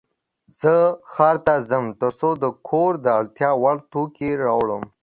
زه ښار ته ځم ترڅو د کور د اړتیا وړ توکې راوړم.